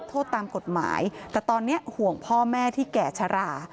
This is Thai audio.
แต่ตอนนี้ห่วงพ่อแม่ที่แก่ชะหร่า